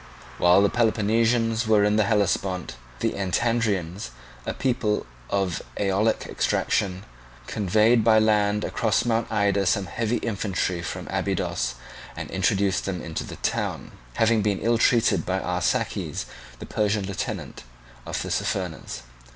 While the Peloponnesians were in the Hellespont, the Antandrians, a people of Aeolic extraction, conveyed by land across Mount Ida some heavy infantry from Abydos, and introduced them into the town; having been ill treated by Arsaces, the Persian lieutenant of Tissaphernes.